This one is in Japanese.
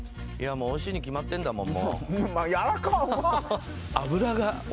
もうおいしいに決まってんだもん